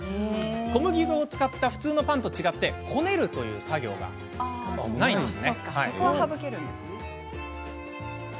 小麦粉を使った普通のパンと違ってこねるという作業がありません。